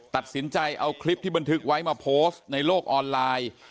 ตัดสินใจเอาคลิปที่บันทึกไว้มาโพสต์ในโลกออนไลน์